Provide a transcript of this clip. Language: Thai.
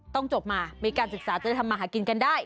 ต้องจบมามีการศึกษาจะทำมาหากินกันได้